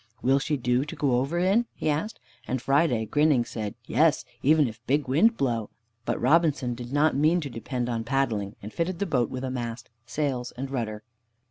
"Will she do to go over in?" he asked, and Friday, grinning, said, "Yes, even if big wind blow." But Robinson did not mean to depend on paddling, and fitted the boat with a mast, sails and rudder.